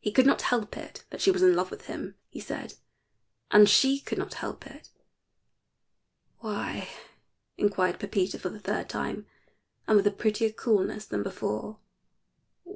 "He could not help it that she was in love with him," he said. "And she could not help it." "Why?" inquired Pepita for the third time, and with a prettier coolness than before.